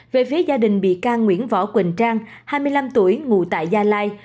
về phía gia đình bị can nguyễn võ quỳnh trang hai mươi năm tuổi ngụ tại gia lai